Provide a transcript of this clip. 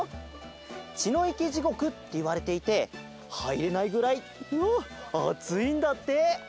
ちのいけじごくっていわれていてはいれないぐらいうわっあついんだって。